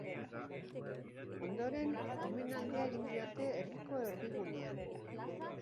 Ondoren, omenaldia egin diote herriko erdigunean.